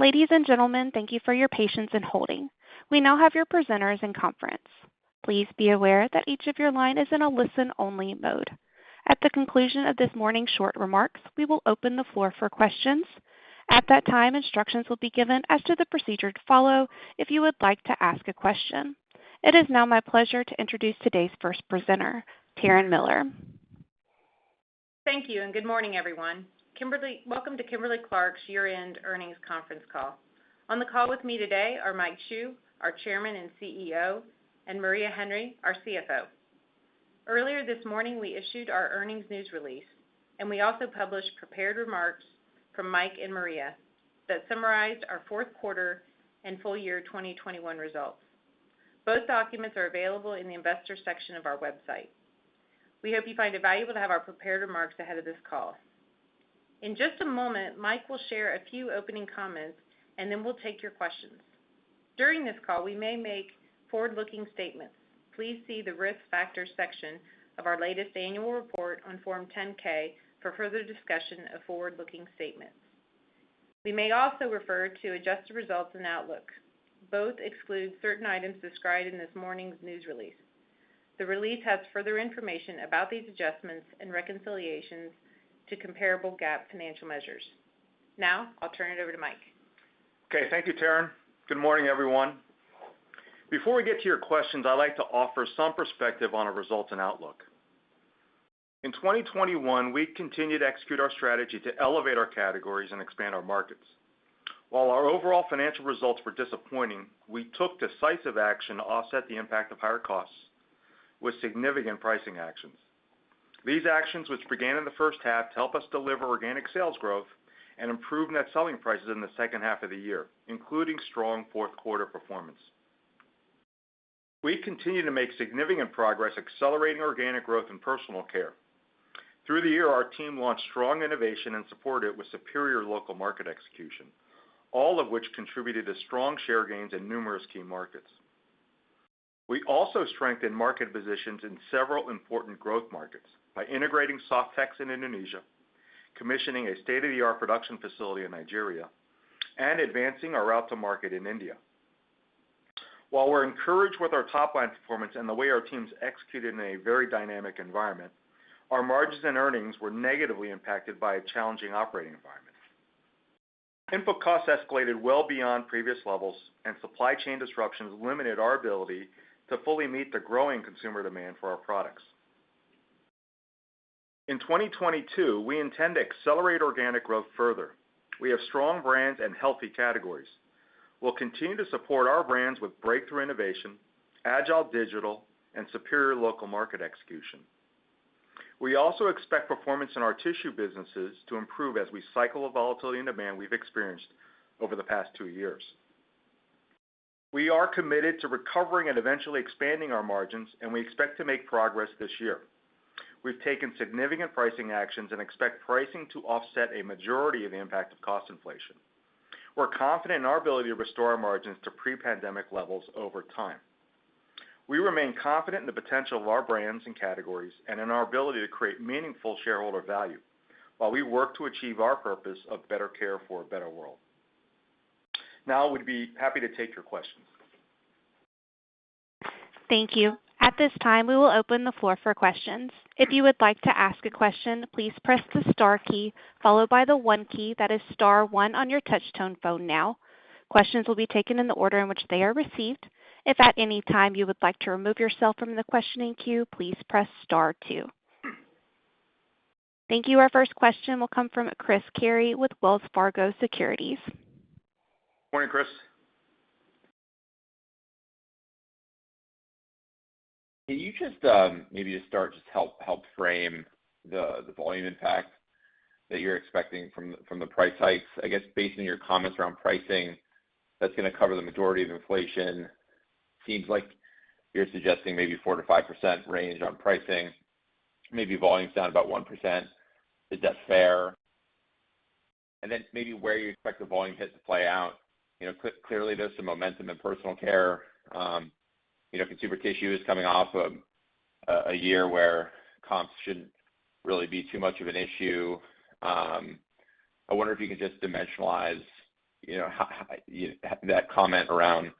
Ladies and gentlemen, thank you for your patience in holding. We now have your presenters in conference. Please be aware that each of your line is in a listen-only mode. At the conclusion of this morning's short remarks, we will open the floor for questions. At that time, instructions will be given as to the procedure to follow if you would like to ask a question. It is now my pleasure to introduce today's first presenter, Taryn Miller. Thank you, and good morning, everyone. Welcome to Kimberly-Clark's year-end earnings conference call. On the call with me today are Mike Hsu, our Chairman and CEO, and Maria Henry, our CFO. Earlier this morning, we issued our earnings news release, and we also published prepared remarks from Mike and Maria that summarized our fourth quarter and full year 2021 results. Both documents are available in the Investors section of our website. We hope you find it valuable to have our prepared remarks ahead of this call. In just a moment, Mike will share a few opening comments, and then we'll take your questions. During this call, we may make forward-looking statements. Please see the Risk Factors section of our latest annual report on Form 10-K for further discussion of forward-looking statements. We may also refer to adjusted results and outlook. Both exclude certain items described in this morning's news release. The release has further information about these adjustments and reconciliations to comparable GAAP financial measures. Now, I'll turn it over to Mike. Okay. Thank you, Taryn. Good morning, everyone. Before we get to your questions, I'd like to offer some perspective on our results and outlook. In 2021, we continued to execute our strategy to elevate our categories and expand our markets. While our overall financial results were disappointing, we took decisive action to offset the impact of higher costs with significant pricing actions. These actions, which began in the first half, helped us deliver organic sales growth and improve net selling prices in the second half of the year, including strong fourth quarter performance. We continued to make significant progress accelerating organic growth in Personal Care. Through the year, our team launched strong innovation and supported it with superior local market execution, all of which contributed to strong share gains in numerous key markets. We also strengthened market positions in several important growth markets by integrating Softex in Indonesia, commissioning a state-of-the-art production facility in Nigeria, and advancing our route to market in India. While we're encouraged with our top line performance and the way our teams executed in a very dynamic environment, our margins and earnings were negatively impacted by a challenging operating environment. Input costs escalated well beyond previous levels, and supply chain disruptions limited our ability to fully meet the growing consumer demand for our products. In 2022, we intend to accelerate organic growth further. We have strong brands and healthy categories. We'll continue to support our brands with breakthrough innovation, agile digital, and superior local market execution. We also expect performance in our tissue businesses to improve as we cycle the volatility and demand we've experienced over the past two years. We are committed to recovering and eventually expanding our margins, and we expect to make progress this year. We've taken significant pricing actions and expect pricing to offset a majority of the impact of cost inflation. We're confident in our ability to restore our margins to pre-pandemic levels over time. We remain confident in the potential of our brands and categories and in our ability to create meaningful shareholder value while we work to achieve our purpose of better care for a better world. Now I would be happy to take your questions. Thank you. Our first question will come from Chris Carey with Wells Fargo Securities. Morning, Chris. Can you just maybe to start just help frame the volume impact that you're expecting from the price hikes? I guess based on your comments around pricing that's gonna cover the majority of inflation. Seems like you're suggesting maybe 4%-5% range on pricing maybe volume's down about 1%. Is that fair? Then maybe where you expect the volume hit to play out. You know clearly there's some momentum in Personal Care. You know Consumer Tissue is coming off of a year where comps shouldn't really be too much of an issue. I wonder if you can just dimensionalize you know how that comment around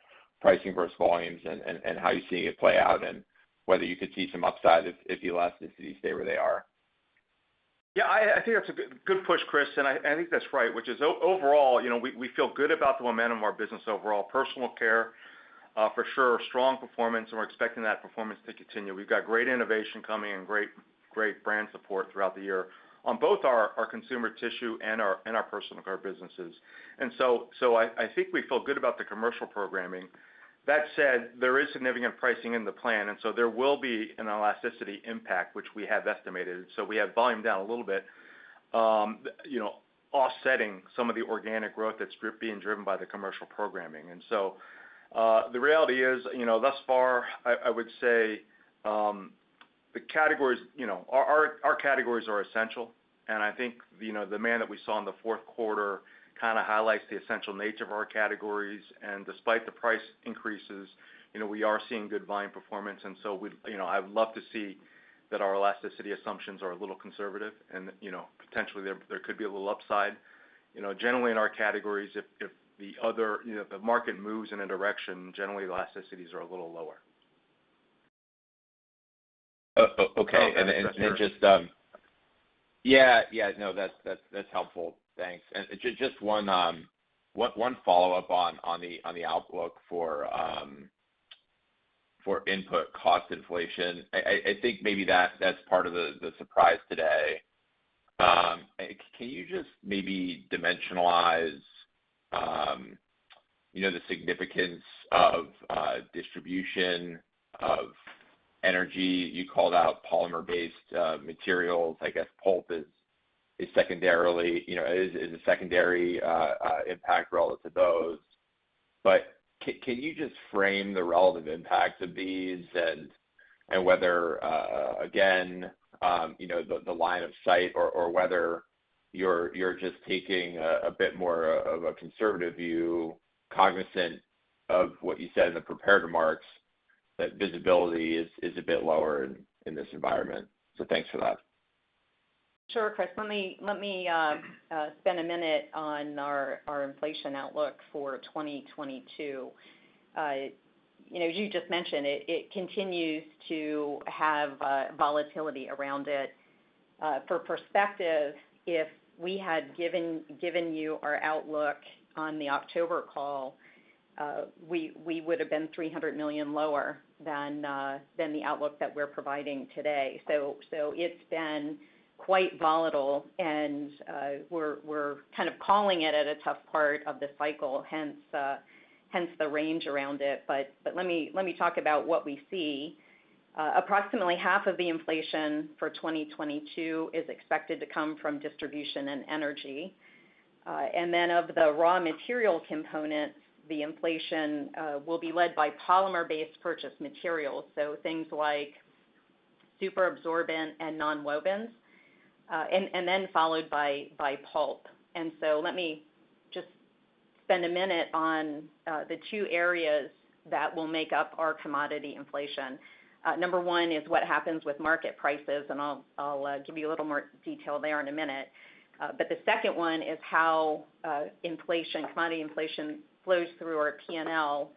pricing versus volumes and how you're seeing it play out and whether you could see some upside if elasticity stay where they are. Yeah. I think that's a good push, Chris, and I think that's right. Overall, you know, we feel good about the momentum of our business overall. Personal Care, for sure, strong performance, and we're expecting that performance to continue. We've got great innovation coming and great brand support throughout the year on both our Consumer Tissue and our Personal Care businesses. I think we feel good about the commercial programming. That said, there is significant pricing in the plan, and so there will be an elasticity impact, which we have estimated. We have volume down a little bit, you know, offsetting some of the organic growth that's being driven by the commercial programming. The reality is, you know, thus far, I would say, the categories, you know, our categories are essential, and I think, you know, the demand that we saw in the fourth quarter kinda highlights the essential nature of our categories. Despite the price increases, you know, we are seeing good volume performance. You know, I would love to see that our elasticity assumptions are a little conservative and, you know, potentially there could be a little upside. You know, generally in our categories, if the market moves in a direction, generally elasticities are a little lower. Okay. Then, just yeah, no, that's helpful. Thanks. Just one follow-up on the outlook for input cost inflation. I think maybe that's part of the surprise today. Can you just maybe dimensionalize, you know, the significance of distribution and energy? You called out polymer-based materials. I guess pulp is secondarily, you know, a secondary impact relative to those. But can you just frame the relative impacts of these and whether, again, you know, the line of sight or whether you're just taking a bit more of a conservative view, cognizant of what you said in the prepared remarks that visibility is a bit lower in this environment. Thanks for that. Sure, Chris. Let me spend a minute on our inflation outlook for 2022. You know, as you just mentioned, it continues to have volatility around it. For perspective, if we had given you our outlook on the October call, we would have been $300 million lower than the outlook that we're providing today. It's been quite volatile, and we're kind of calling it at a tough part of the cycle, hence the range around it. Let me talk about what we see. Approximately half of the inflation for 2022 is expected to come from distribution and energy. Of the raw material component, the inflation will be led by polymer-based purchased materials, so things like superabsorbent and nonwovens, and then followed by pulp. Let me just spend a minute on the two areas that will make up our commodity inflation. Number one is what happens with market prices, and I'll give you a little more detail there in a minute. The second one is how inflation, commodity inflation flows through our P&L.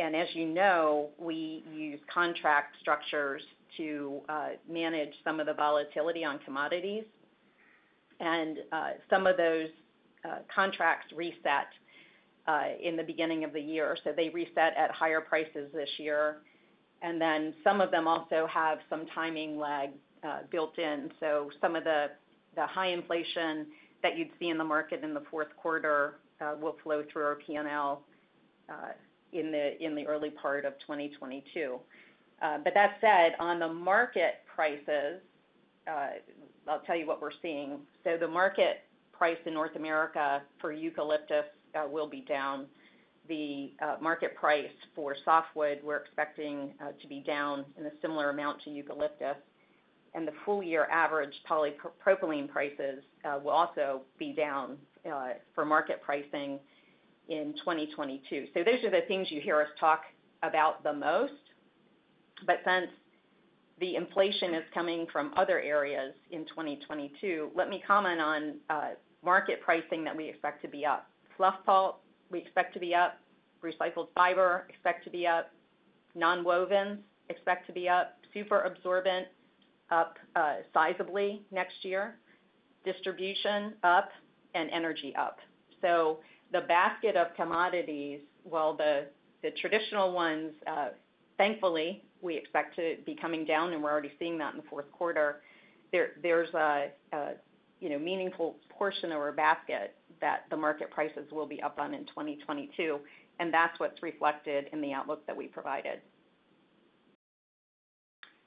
As you know, we use contract structures to manage some of the volatility on commodities. Some of those contracts reset in the beginning of the year. They reset at higher prices this year. Some of them also have some timing lag built in. Some of the high inflation that you'd see in the market in the fourth quarter will flow through our P&L in the early part of 2022. That said, on the market prices, I'll tell you what we're seeing. The market price in North America for eucalyptus will be down. The market price for softwood we're expecting to be down in a similar amount to eucalyptus. The full-year average polypropylene prices will also be down for market pricing in 2022. Those are the things you hear us talk about the most. Since the inflation is coming from other areas in 2022, let me comment on market pricing that we expect to be up. Fluff pulp, we expect to be up. Recycled fiber, expect to be up. Nonwovens expect to be up. Superabsorbent up sizably next year. Distribution up, and energy up. The basket of commodities, while the traditional ones, thankfully, we expect to be coming down, and we're already seeing that in the fourth quarter. There's a you know meaningful portion of our basket that the market prices will be up on in 2022, and that's what's reflected in the outlook that we provided.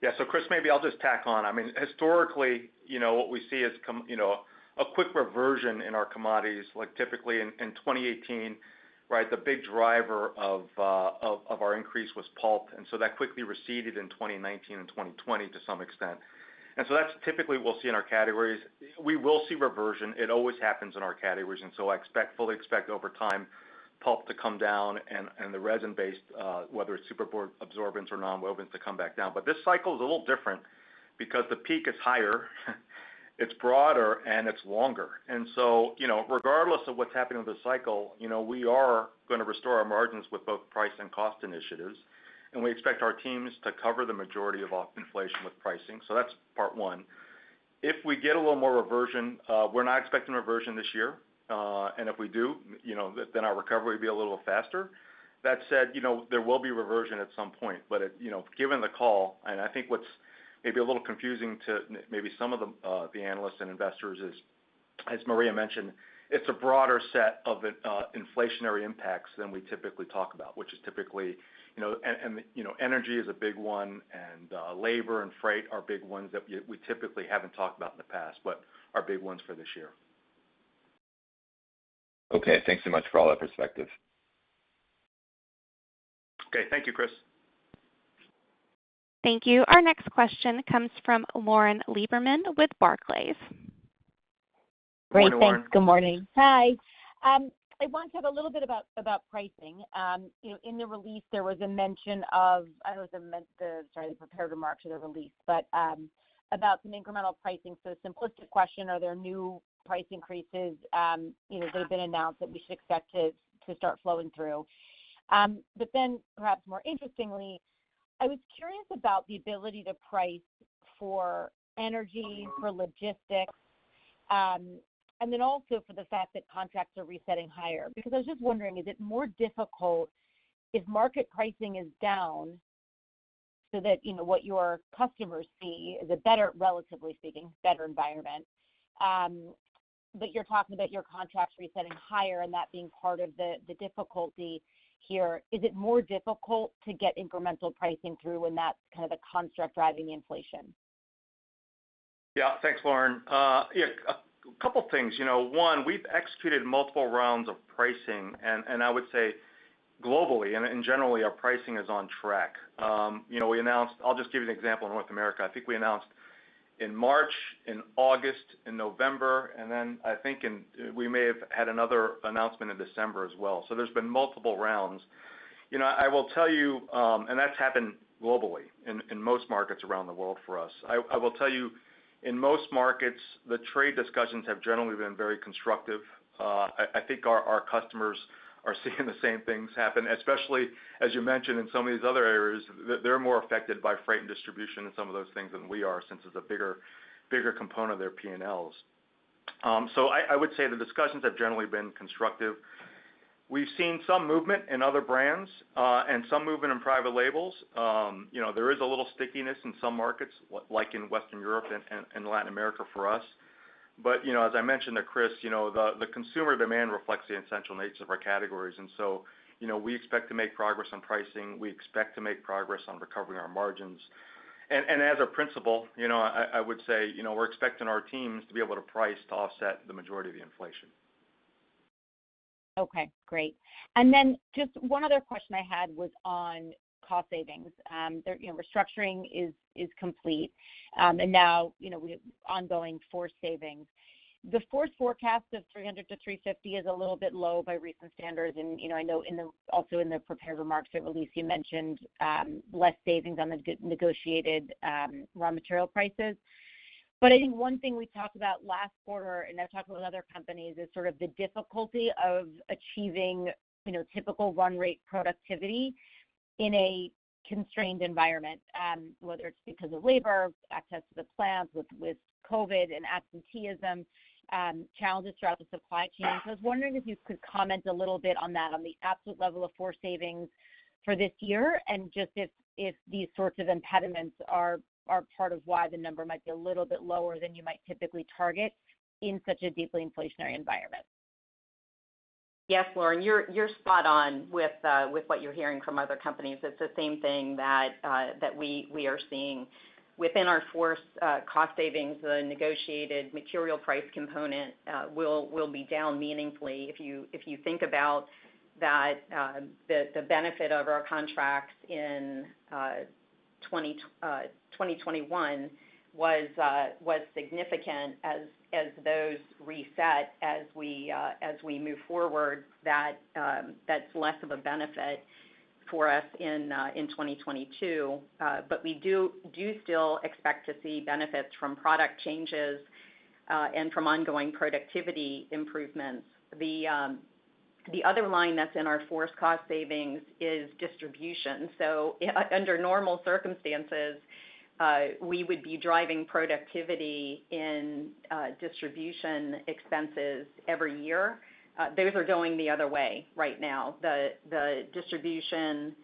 Yeah. Chris, maybe I'll just tack on. I mean, historically, you know, what we see is commodities, you know, a quick reversion in our commodities, like typically in 2018, right? The big driver of our increase was pulp, and that quickly receded in 2019 and 2020 to some extent. That's typically what we'll see in our categories. We will see reversion. It always happens in our categories, and I expect, fully expect over time pulp to come down and the resin-based, whether it's superabsorbents or nonwovens, to come back down. This cycle is a little different because the peak is higher, it's broader, and it's longer. You know, regardless of what's happening with the cycle, you know, we are gonna restore our margins with both price and cost initiatives, and we expect our teams to cover the majority of inflation with pricing. That's part one. If we get a little more reversion, we're not expecting reversion this year. If we do, you know, then our recovery will be a little faster. That said, you know, there will be reversion at some point. Given the call, and I think what's maybe a little confusing to maybe some of the analysts and investors is, as Maria mentioned, it's a broader set of inflationary impacts than we typically talk about, which is typically, you know. You know, energy is a big one, and labor and freight are big ones that we typically haven't talked about in the past, but are big ones for this year. Okay. Thanks so much for all that perspective. Okay. Thank you, Chris. Thank you. Our next question comes from Lauren Lieberman with Barclays. Lauren, thanks. Good morning. Hi. I want to have a little bit about pricing. You know, in the release, there was a mention of the prepared remarks or the release, but about some incremental pricing. Simplistic question, are there new price increases, you know, that have been announced that we should expect to start flowing through? Perhaps more interestingly, I was curious about the ability to price for energy, for logistics, and then also for the fact that contracts are resetting higher. I was just wondering, is it more difficult if market pricing is down so that, you know, what your customers see is a better, relatively speaking, better environment, but you're talking about your contracts resetting higher and that being part of the difficulty here. Is it more difficult to get incremental pricing through when that's kind of the construct driving inflation? Yeah. Thanks, Lauren. Yeah, a couple things. You know, one, we've executed multiple rounds of pricing and I would say globally and generally our pricing is on track. You know, we announced. I'll just give you an example in North America. I think we announced in March, in August, in November, and then I think in we may have had another announcement in December as well. There's been multiple rounds. You know, I will tell you, and that's happened globally in most markets around the world for us. I will tell you in most markets, the trade discussions have generally been very constructive. I think our customers are seeing the same things happen, especially as you mentioned in some of these other areas, they're more affected by freight and distribution and some of those things than we are since it's a bigger component of their P&Ls. I would say the discussions have generally been constructive. We've seen some movement in other brands, and some movement in private labels. You know, there is a little stickiness in some markets, like in Western Europe and Latin America for us. As I mentioned to Chris, you know, the consumer demand reflects the essential nature of our categories, and so, you know, we expect to make progress on pricing. We expect to make progress on recovering our margins. And as a principle, you know, I would say, you know, we're expecting our teams to be able to price to offset the majority of the inflation. Okay. Great. Just one other question I had was on cost savings. Their restructuring is complete. Now, you know, we have ongoing FORCE savings. The FORCE forecast of $300 million-$350 million is a little bit low by recent standards and, you know, I know, also in the prepared remarks or release, you mentioned less savings on the negotiated raw material prices. I think one thing we talked about last quarter, and I've talked about with other companies, is sort of the difficulty of achieving, you know, typical run-rate productivity in a constrained environment, whether it's because of labor, access to the plants with COVID and absenteeism, challenges throughout the supply chain. I was wondering if you could comment a little bit on that, on the absolute level of FORCE savings for this year and just if these sorts of impediments are part of why the number might be a little bit lower than you might typically target in such a deeply inflationary environment. Yes, Lauren, you're spot on with what you're hearing from other companies. It's the same thing that we are seeing. Within our FORCE cost savings, the negotiated material price component will be down meaningfully. If you think about that, the benefit of our contracts in 2021 was significant as those reset as we move forward, that's less of a benefit for us in 2022. We do still expect to see benefits from product changes and from ongoing productivity improvements. The other line that's in our FORCE cost savings is distribution. Under normal circumstances, we would be driving productivity in distribution expenses every year. Those are going the other way right now. The distribution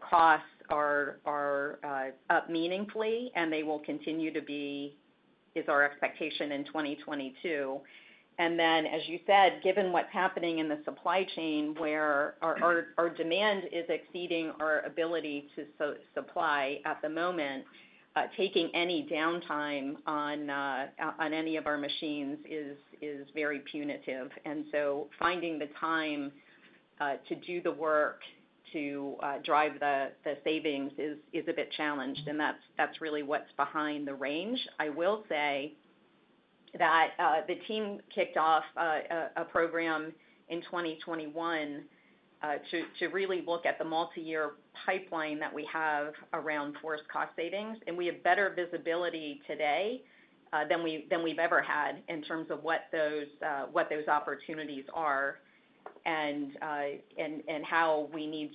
costs are up meaningfully, and they will continue to be, is our expectation in 2022. Then as you said, given what's happening in the supply chain where our demand is exceeding our ability to supply at the moment, taking any downtime on any of our machines is very punitive. Finding the time to do the work to drive the savings is a bit challenged, and that's really what's behind the range. I will say that, the team kicked off a program in 2021 to really look at the multiyear pipeline that we have around FORCE cost savings, and we have better visibility today than we've ever had in terms of what those opportunities are and how we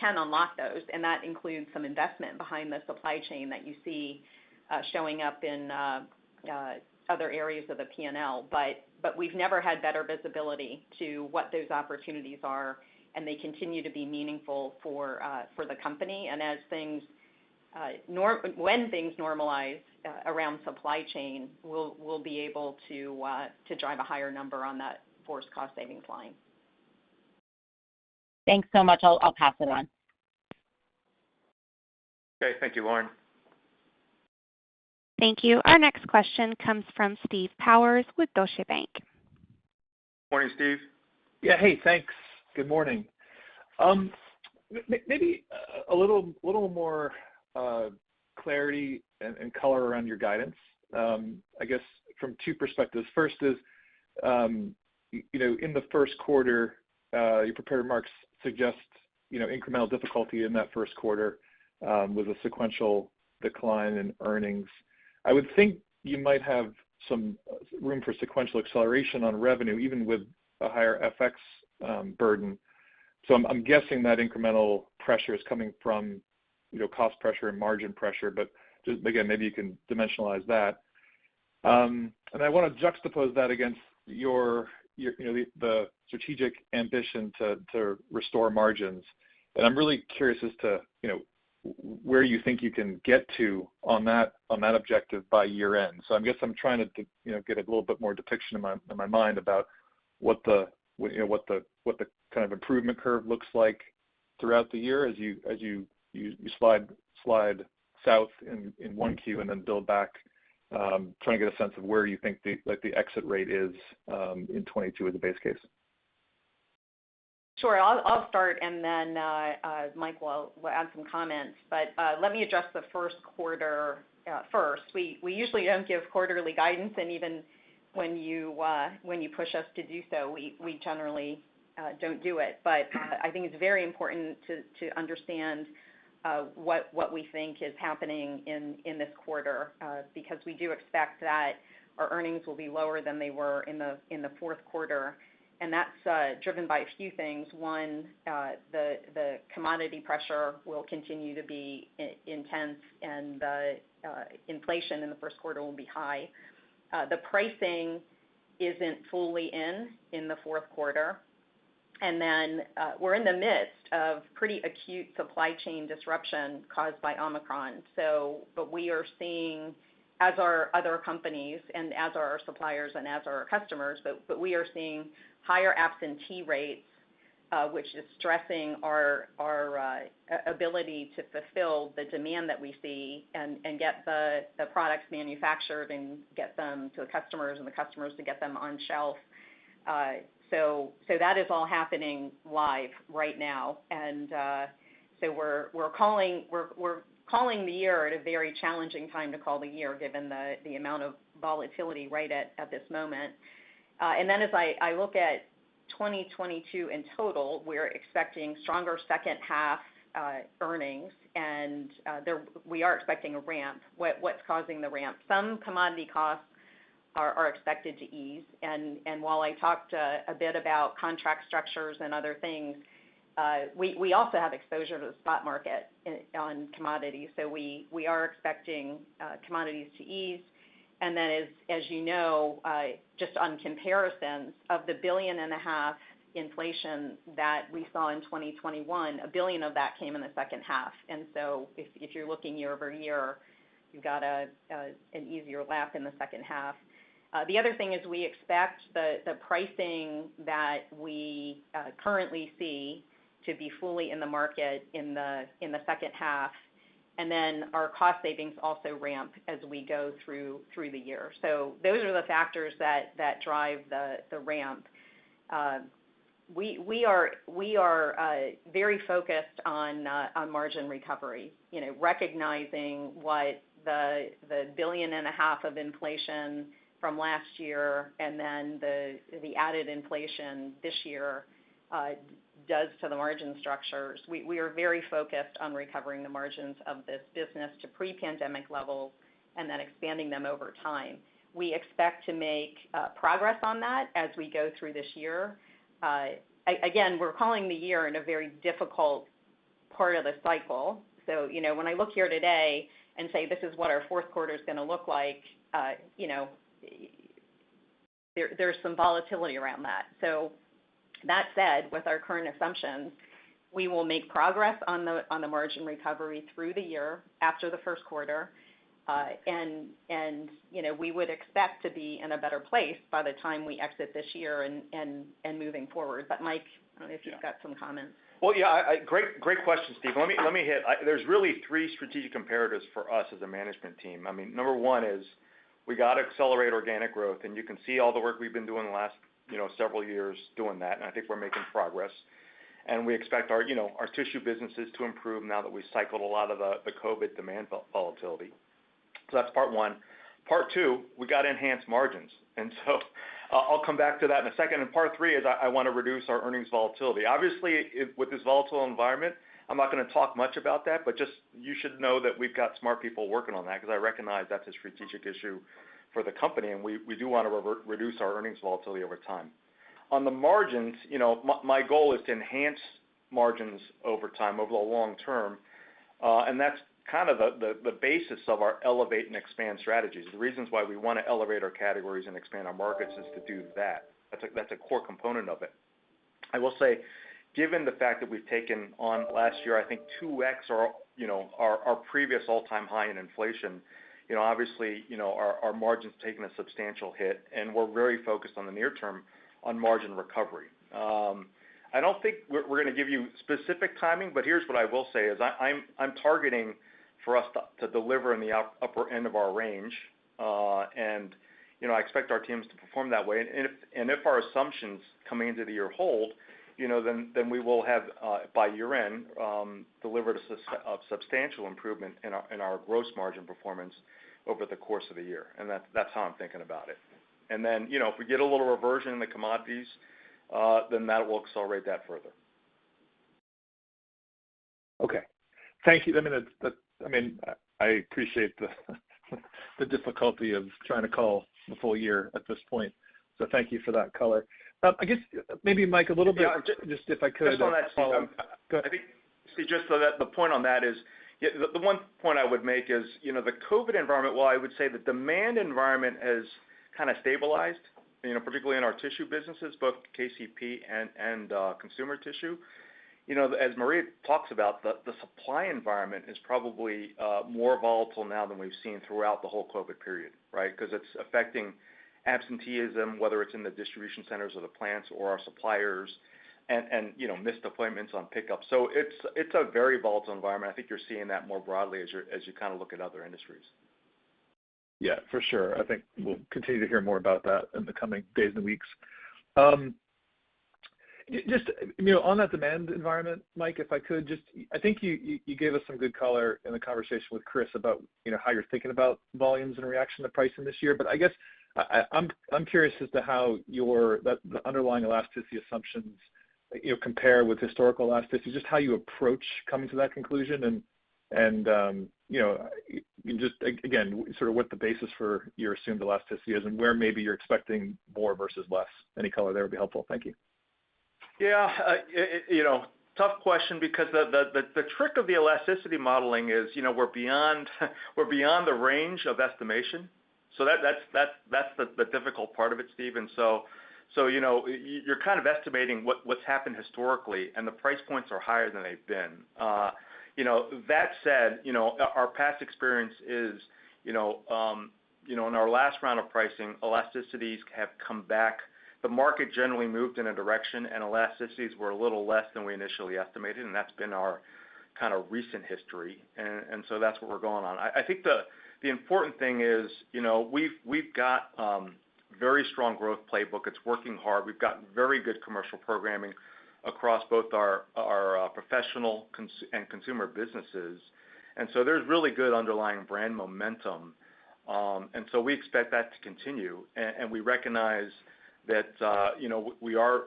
can unlock those, and that includes some investment behind the supply chain that you see showing up in other areas of the P&L. We've never had better visibility to what those opportunities are, and they continue to be meaningful for the company. When things normalize around supply chain, we'll be able to drive a higher number on that FORCE cost savings line. Thanks so much. I'll pass it on. Okay. Thank you, Lauren. Thank you. Our next question comes from Steve Powers with Deutsche Bank. Morning, Steve. Yeah. Hey, thanks. Good morning. Maybe a little more clarity and color around your guidance, I guess from two perspectives. First is, you know, in the first quarter, your prepared remarks suggest, you know, incremental difficulty in that first quarter, with a sequential decline in earnings. I would think you might have some room for sequential acceleration on revenue, even with a higher FX burden. I'm guessing that incremental pressure is coming from, you know, cost pressure and margin pressure. Just, again, maybe you can dimensionalize that. I wanna juxtapose that against your, you know, the strategic ambition to restore margins. I'm really curious as to, you know, where you think you can get to on that objective by year-end. I guess I'm trying to you know, get a little bit more picture in my mind about what the you know, what the kind of improvement curve looks like throughout the year as you slide south in one Q and then build back. Trying to get a sense of where you think the like, the exit rate is in 2022 as a base case. Sure. I'll start, and then Mike will add some comments. Let me address the first quarter first. We usually don't give quarterly guidance, and even when you push us to do so, we generally don't do it. I think it's very important to understand what we think is happening in this quarter because we do expect that our earnings will be lower than they were in the fourth quarter, and that's driven by a few things. One, the commodity pressure will continue to be intense, and the inflation in the first quarter will be high. The pricing isn't fully in the fourth quarter. Then, we're in the midst of pretty acute supply chain disruption caused by Omicron. We are seeing, as are other companies and as are our suppliers and as are our customers, but we are seeing higher absentee rates, which is stressing our ability to fulfill the demand that we see and get the products manufactured and get them to the customers and the customers to get them on shelf. That is all happening live right now. We're calling the year at a very challenging time to call the year, given the amount of volatility right at this moment. As I look at 2022 in total, we're expecting stronger second half earnings. We are expecting a ramp. What's causing the ramp? Some commodity costs are expected to ease. While I talked a bit about contract structures and other things, we also have exposure to the spot market in on commodities. We are expecting commodities to ease. Then as you know, just on comparisons of the $1.5 billion inflation that we saw in 2021, $1 billion of that came in the second half. If you're looking year-over-year, you've got an easier lap in the second half. The other thing is we expect the pricing that we currently see to be fully in the market in the second half, and then our cost savings also ramp as we go through the year. Those are the factors that drive the ramp. We are very focused on margin recovery, you know, recognizing what the $1.5 billion of inflation from last year and then the added inflation this year does to the margin structures. We are very focused on recovering the margins of this business to pre-pandemic levels and then expanding them over time. We expect to make progress on that as we go through this year. Again, we're calling the year in a very difficult part of the cycle. So, you know, when I look here today and say, "This is what our fourth quarter's gonna look like," you know, there's some volatility around that. So that said, with our current assumptions, we will make progress on the margin recovery through the year after the first quarter. You know, we would expect to be in a better place by the time we exit this year and moving forward. Mike, I don't know if you've got some comments. Yeah. Well, yeah. Great question, Steve. Let me hit. There's really three strategic comparatives for us as a management team. I mean, number one is we gotta accelerate organic growth, and you can see all the work we've been doing the last, you know, several years doing that, and I think we're making progress. We expect our, you know, our tissue businesses to improve now that we've cycled a lot of the COVID demand volatility. That's part one. Part two, we gotta enhance margins. I'll come back to that in a second. Part three is I wanna reduce our earnings volatility. Obviously, with this volatile environment, I'm not gonna talk much about that, but just you should know that we've got smart people working on that, 'cause I recognize that's a strategic issue for the company, and we do wanna reduce our earnings volatility over time. On the margins, you know, my goal is to enhance margins over time, over the long term, and that's kind of the basis of our elevate and expand strategies. The reasons why we wanna elevate our categories and expand our markets is to do that. That's a core component of it. I will say, given the fact that we've taken on last year, I think 2x our previous all-time high in inflation, you know, obviously, our margin's taken a substantial hit, and we're very focused on the near term on margin recovery. I don't think we're gonna give you specific timing, but here's what I will say is I'm targeting for us to deliver in the upper end of our range. You know, I expect our teams to perform that way. If our assumptions coming into the year hold, you know, then we will have by year-end delivered a substantial improvement in our gross margin performance over the course of the year, and that's how I'm thinking about it. You know, if we get a little reversion in the commodities, then that will accelerate that further. Okay. Thank you. I mean, I appreciate the difficulty of trying to call the full year at this point. So thank you for that color. I guess maybe Mike, a little bit- Yeah. If I could just follow up. Just on that, Steve, I'm. Go ahead. I think, Steve, the one point I would make is, you know, the COVID environment, while I would say the demand environment has kind of stabilized, you know, particularly in our tissue businesses, both KCP and Consumer Tissue. You know, as Maria talks about, the supply environment is probably more volatile now than we've seen throughout the whole COVID period, right? Because it's affecting absenteeism, whether it's in the distribution centers or the plants or our suppliers and, you know, missed appointments on pickups. It's a very volatile environment. I think you're seeing that more broadly as you kind of look at other industries. Yeah, for sure. I think we'll continue to hear more about that in the coming days and weeks. Just, you know, on that demand environment, Mike, if I could just, I think you gave us some good color in the conversation with Chris about, you know, how you're thinking about volumes and reaction to pricing this year. But I guess I'm curious as to how the underlying elasticity assumptions, you know, compare with historical elasticity, just how you approach coming to that conclusion and, you know, just again, sort of what the basis for your assumed elasticity is and where maybe you're expecting more versus less. Any color there would be helpful. Thank you. Yeah. You know, tough question because the trick of the elasticity modeling is, you know, we're beyond the range of estimation. So that's the difficult part of it, Steve. You know, you're kind of estimating what's happened historically, and the price points are higher than they've been. You know, that said, you know, our past experience is, you know, in our last round of pricing, elasticities have come back. The market generally moved in a direction, and elasticities were a little less than we initially estimated, and that's been our kind of recent history. That's what we're going on. I think the important thing is, you know, we've got very strong growth playbook. It's working hard. We've got very good commercial programming across both our professional and consumer businesses. There's really good underlying brand momentum. We expect that to continue. We recognize that, you know, we are,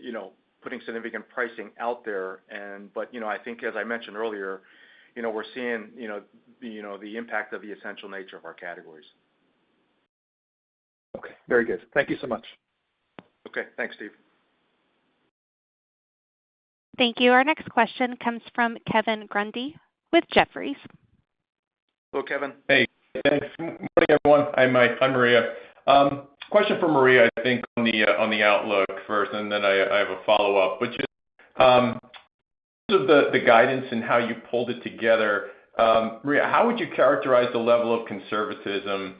you know, putting significant pricing out there. You know, I think as I mentioned earlier, you know, we're seeing the impact of the essential nature of our categories. Okay. Very good. Thank you so much. Okay. Thanks, Steve. Thank you. Our next question comes from Kevin Grundy with Jefferies. Hello, Kevin. Hey. Thanks. Morning, everyone. Hi, Mike. Hi, Maria. Question for Maria, I think, on the outlook first, and then I have a follow-up, which is sort of the guidance and how you pulled it together. Maria, how would you characterize the level of conservatism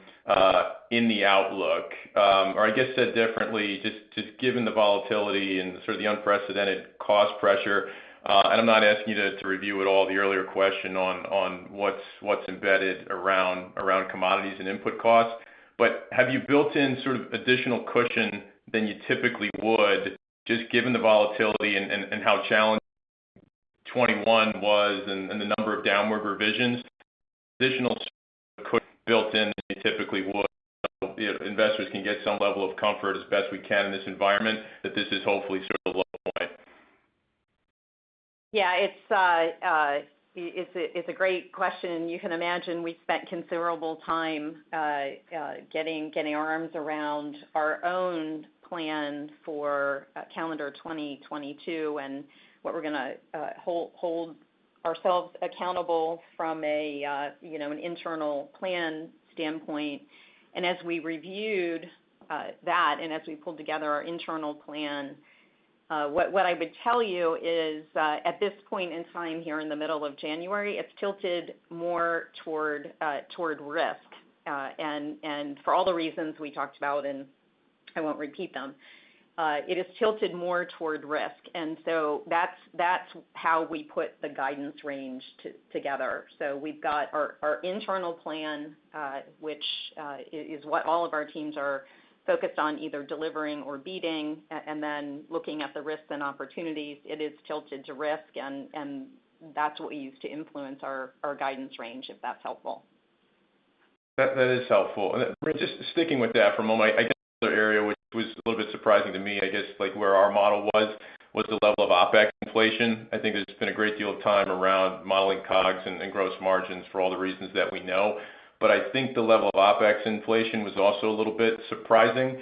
in the outlook? Or I guess said differently, just given the volatility and sort of the unprecedented cost pressure, and I'm not asking you to review at all the earlier question on what's embedded around commodities and input costs. But have you built in sort of additional cushion than you typically would, just given the volatility and how challenging 2021 was and the number of downward revisions, additional cushion built in than you typically would, so, you know, investors can get some level of comfort as best we can in this environment that this is hopefully sort of a low point? Yeah. It's a great question. You can imagine we've spent considerable time getting our arms around our own plan for calendar 2022 and what we're gonna hold ourselves accountable from a you know an internal plan standpoint. As we reviewed that and as we pulled together our internal plan what I would tell you is at this point in time here in the middle of January it's tilted more toward risk. For all the reasons we talked about and I won't repeat them it is tilted more toward risk. That's how we put the guidance range together. We've got our internal plan, which is what all of our teams are focused on, either delivering or beating, and then looking at the risks and opportunities, it is tilted to risk, and that's what we use to influence our guidance range, if that's helpful. That is helpful. Just sticking with that for a moment, I guess, the other area which was a little bit surprising to me, I guess, like where our model was the level of OpEx inflation. I think there's been a great deal of time around modeling COGS and gross margins for all the reasons that we know. I think the level of OpEx inflation was also a little bit surprising.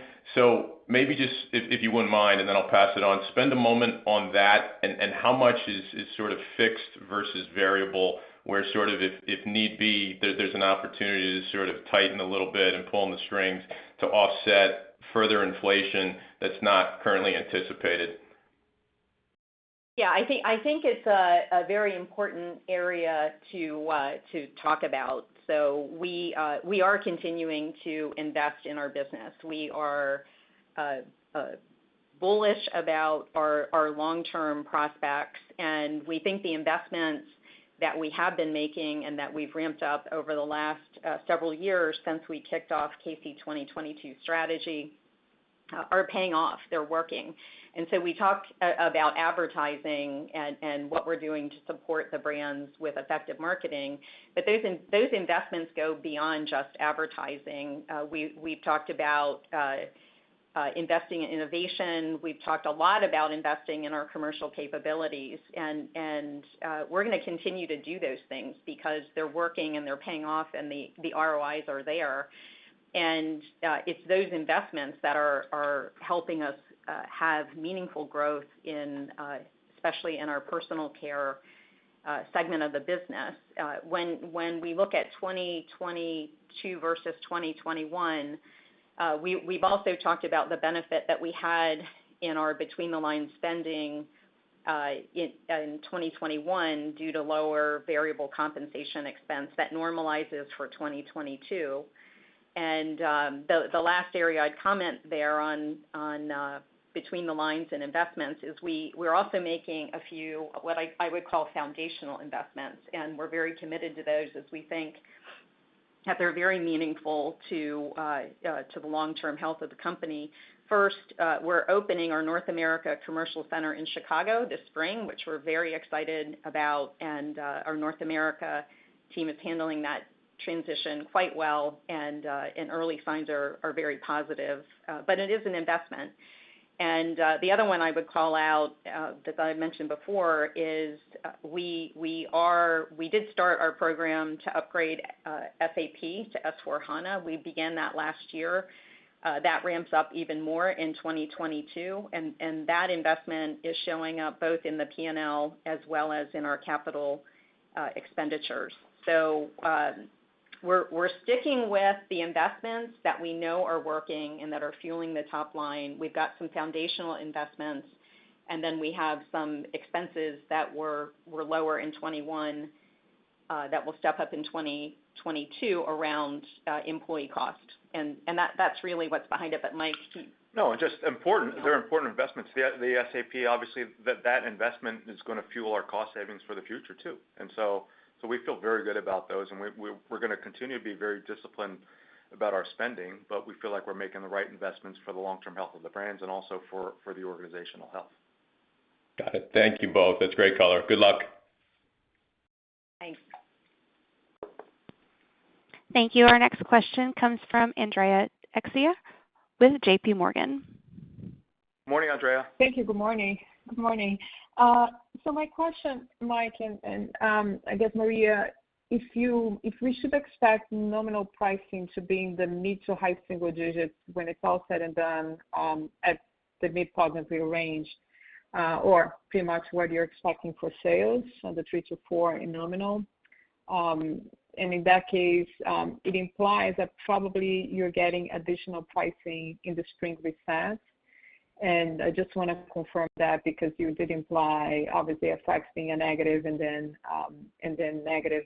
Maybe just, if you wouldn't mind, and then I'll pass it on, spend a moment on that and how much is sort of fixed versus variable, where sort of if need be, there's an opportunity to sort of tighten a little bit and pull on the strings to offset further inflation that's not currently anticipated. I think it's a very important area to talk about. We are continuing to invest in our business. We are bullish about our long-term prospects, and we think the investments that we have been making and that we've ramped up over the last several years since we kicked off K-C 2022 Strategy are paying off. They're working. We talked about advertising and what we're doing to support the brands with effective marketing. Those investments go beyond just advertising. We've talked about investing in innovation. We've talked a lot about investing in our commercial capabilities, and we're gonna continue to do those things because they're working, and they're paying off, and the ROIs are there. It's those investments that are helping us have meaningful growth especially in our Personal Care segment of the business. When we look at 2022 versus 2021, we've also talked about the benefit that we had in our between-the-lines spending in 2021 due to lower variable compensation expense that normalizes for 2022. The last area I'd comment there on between-the-lines and investments is we're also making a few what I would call foundational investments, and we're very committed to those as we think that they're very meaningful to the long-term health of the company. First, we're opening our North America commercial center in Chicago this spring, which we're very excited about, and our North America team is handling that transition quite well. Early signs are very positive, but it is an investment. The other one I would call out that I mentioned before is we did start our program to upgrade SAP to S/4HANA. We began that last year. That ramps up even more in 2022, and that investment is showing up both in the P&L as well as in our capital expenditures. We're sticking with the investments that we know are working and that are fueling the top line. We've got some foundational investments, and then we have some expenses that were lower in 2021 that will step up in 2022 around employee costs. That, that's really what's behind it. Mike? No, just important, they're important investments. The SAP, obviously, that investment is gonna fuel our cost savings for the future too. We feel very good about those, and we're gonna continue to be very disciplined about our spending. We feel like we're making the right investments for the long-term health of the brands and also for the organizational health. Got it. Thank you both. That's great color. Good luck. Thanks. Thank you. Our next question comes from Andrea Teixeira with JPMorgan. Morning, Andrea. Thank you. Good morning. Good morning. My question, Mike, and I guess, Maria, if we should expect nominal pricing to be in the mid- to high single digits when it's all said and done, at the mid- to high-single-digit range, or pretty much what you're expecting for sales on the 3%-4% in nominal. In that case, it implies that probably you're getting additional pricing in the spring reset. I just wanna confirm that because you did imply, obviously, FX being a negative and then negative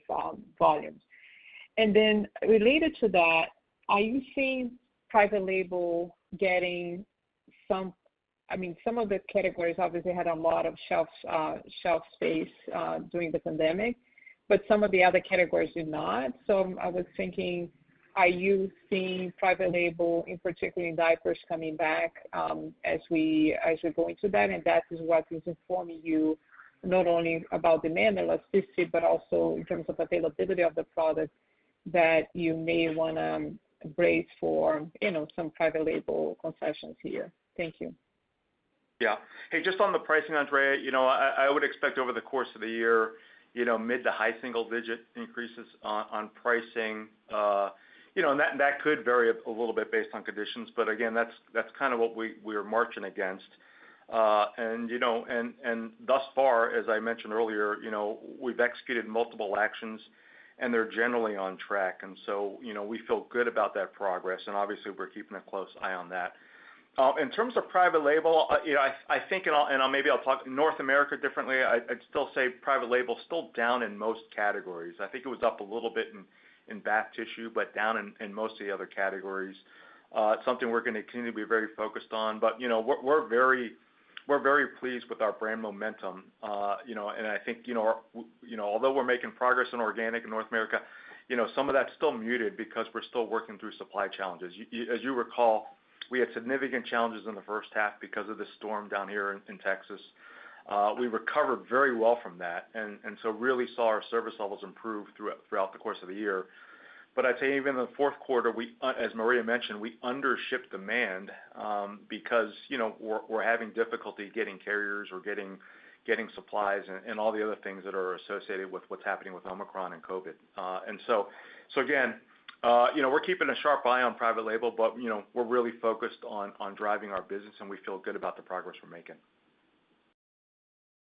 volumes. Related to that, are you seeing private label getting some, I mean, some of the categories obviously had a lot of shelf space during the pandemic, but some of the other categories did not. I was thinking, are you seeing private label, in particular in diapers, coming back, as we go into that, and that is what is informing you not only about demand elasticity, but also in terms of availability of the product that you may wanna brace for, you know, some private label concessions here? Thank you. Hey, just on the pricing, Andrea, you know, I would expect over the course of the year, you know, mid- to high-single-digit increases on pricing. You know, and that could vary a little bit based on conditions, but again, that's kind of what we're marching against. You know, and thus far, as I mentioned earlier, you know, we've executed multiple actions, and they're generally on track. You know, we feel good about that progress, and obviously, we're keeping a close eye on that. In terms of private label, you know, I think, and I'll maybe talk North America differently. I'd still say private label is still down in most categories. I think it was up a little bit in Bath tissue, but down in most of the other categories. It's something we're gonna continue to be very focused on, but you know, we're very pleased with our brand momentum. I think, although we're making progress in organic in North America, you know, some of that's still muted because we're still working through supply challenges. As you recall, we had significant challenges in the first half because of the storm down here in Texas. We recovered very well from that, and so really saw our service levels improve throughout the course of the year. I'd say even in the fourth quarter, as Maria mentioned, we undershipped demand, because, you know, we're having difficulty getting carriers or getting supplies and all the other things that are associated with what's happening with Omicron and COVID. You know, we're keeping a sharp eye on private label, but we're really focused on driving our business, and we feel good about the progress we're making.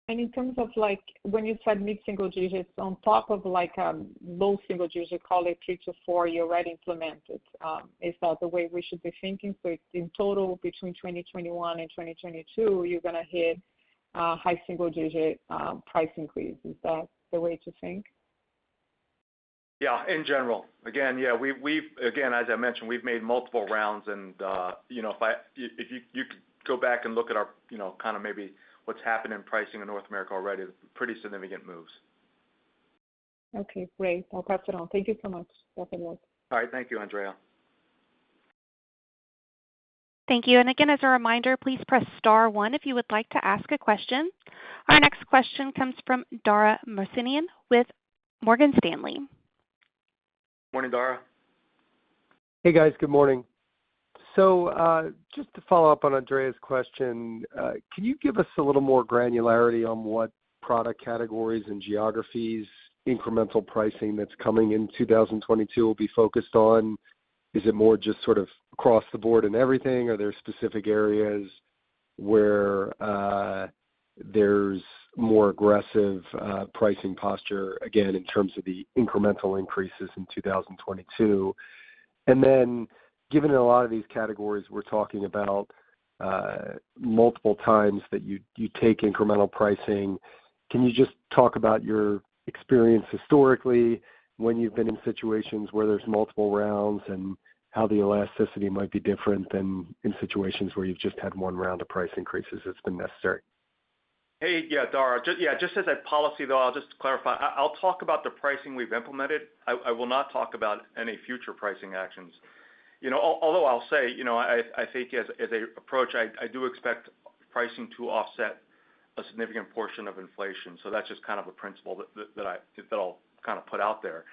In terms of like when you said mid-single digits on top of like, low single digits, call it 3%-4%, you already implemented, is that the way we should be thinking? It's in total between 2021 and 2022, you're gonna hit high single digit price increase. Is that the way to think? Yeah, in general. Again, yeah, we've again, as I mentioned, we've made multiple rounds and, you know, if you could go back and look at our, you know, kind of maybe what's happened in pricing in North America already, pretty significant moves. Okay, great. I'll wrap it all. Thank you so much. All right. Thank you, Andrea. Thank you. Again, as a reminder, please press star one if you would like to ask a question. Our next question comes from Dara Mohsenian with Morgan Stanley. Morning, Dara. Hey guys. Good morning. Just to follow up on Andrea's question, can you give us a little more granularity on what product categories and geographies incremental pricing that's coming in 2022 will be focused on? Is it more just sort of across the board in everything? Are there specific areas where there's more aggressive pricing posture, again, in terms of the incremental increases in 2022? And then given a lot of these categories we're talking about multiple times that you take incremental pricing, can you just talk about your experience historically when you've been in situations where there's multiple rounds and how the elasticity might be different than in situations where you've just had one round of price increases that's been necessary? Hey. Yeah, Dara. Yeah, just as a policy, though, I'll just clarify. I'll talk about the pricing we've implemented. I will not talk about any future pricing actions. You know, although I'll say, you know, I think as a approach, I do expect pricing to offset a significant portion of inflation. That's just kind of a principle that I'll kind of put out there.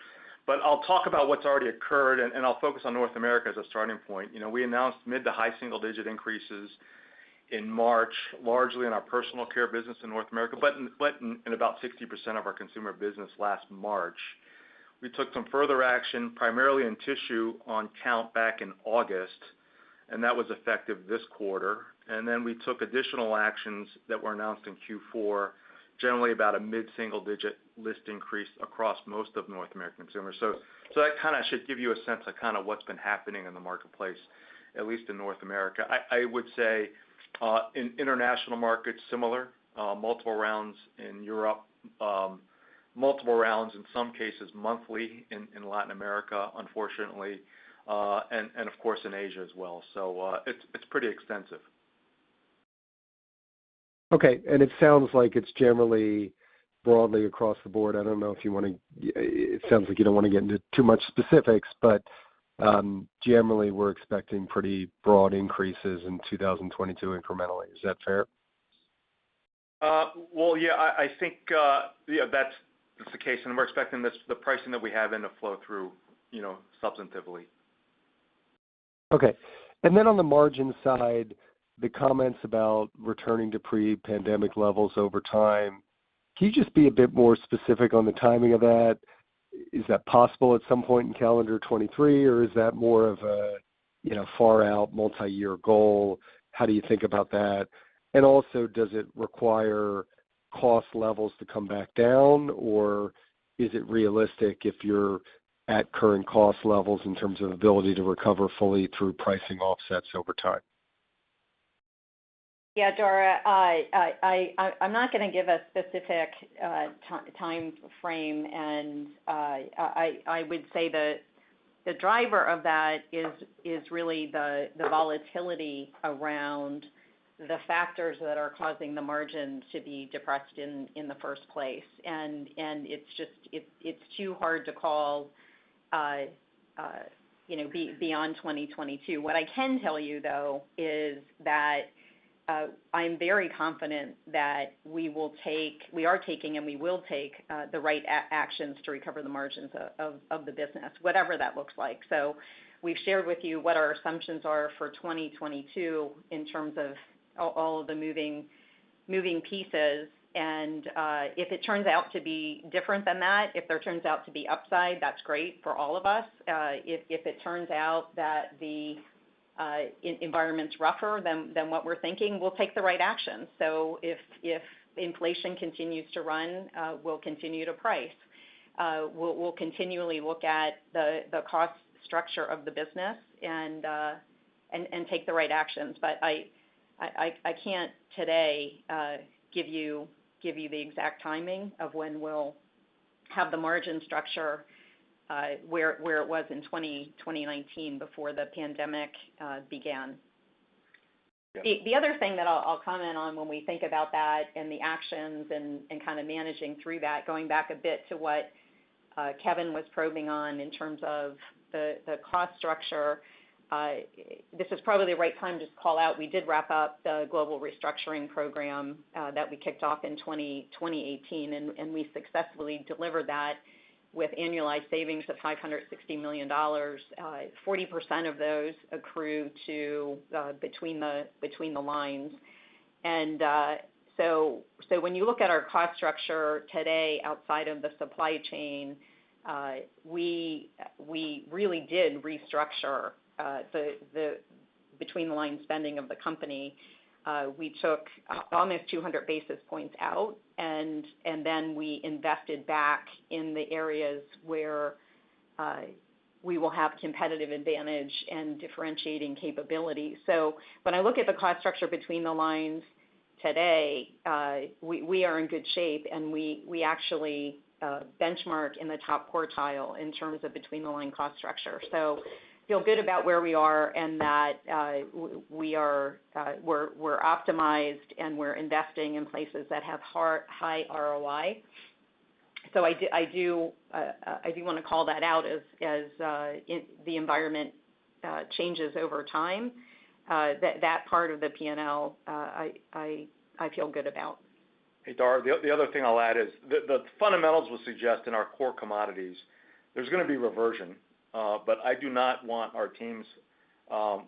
I'll talk about what's already occurred, and I'll focus on North America as a starting point. You know, we announced mid- to high-single-digit increases in March, largely in our Personal Care business in North America, but in about 60% of our Consumer business last March. We took some further action, primarily in tissue, on count back in August, and that was effective this quarter. Then we took additional actions that were announced in Q4, generally about a mid-single digit list increase across most of North American consumers. So that kind of should give you a sense of kind of what's been happening in the marketplace, at least in North America. I would say in international markets, similar, multiple rounds in Europe, multiple rounds, in some cases monthly, in Latin America, unfortunately, and of course, in Asia as well. It's pretty extensive. Okay. It sounds like it's generally broadly across the board. I don't know if you wanna. It sounds like you don't wanna get into too much specifics, but, generally, we're expecting pretty broad increases in 2022 incrementally. Is that fair? I think that's the case, and we're expecting this, the pricing that we have in to flow through, you know, substantively. Okay. On the margin side, the comments about returning to pre-pandemic levels over time, can you just be a bit more specific on the timing of that? Is that possible at some point in calendar 2023, or is that more of a, you know, far out multiyear goal? How do you think about that? And also, does it require cost levels to come back down, or is it realistic if you're at current cost levels in terms of ability to recover fully through pricing offsets over time? Yeah, Dara, I'm not gonna give a specific time frame, and I would say the driver of that is really the volatility around the factors that are causing the margins to be depressed in the first place. It's just too hard to call, you know, beyond 2022. What I can tell you, though, is that I'm very confident that we are taking, and we will take, the right actions to recover the margins of the business, whatever that looks like. We've shared with you what our assumptions are for 2022 in terms of all of the moving pieces. If it turns out to be different than that, if there turns out to be upside, that's great for all of us. If it turns out that the environment's rougher than what we're thinking, we'll take the right actions. If inflation continues to run, we'll continue to price. We'll continually look at the cost structure of the business and take the right actions. But I can't today give you the exact timing of when we'll have the margin structure where it was in 2019 before the pandemic began. The other thing that I'll comment on when we think about that and the actions and kind of managing through that, going back a bit to what Kevin was probing on in terms of the cost structure, this is probably the right time to call out. We did wrap up the global restructuring program that we kicked off in 2018, and we successfully delivered that with annualized savings of $560 million. Forty percent of those accrue to between the lines. When you look at our cost structure today outside of the supply chain, we really did restructure the between-the-lines spending of the company. We took almost 200 basis points out, and then we invested back in the areas where we will have competitive advantage and differentiating capabilities. When I look at the cost structure between the lines today, we are in good shape, and we actually benchmark in the top quartile in terms of between the line cost structure. Feel good about where we are and that we are, we're optimized, and we're investing in places that have high ROI. I do wanna call that out as the environment changes over time, that part of the P&L, I feel good about. Hey, Dara. The other thing I'll add is the fundamentals will suggest in our core commodities, there's gonna be reversion, but I do not want our teams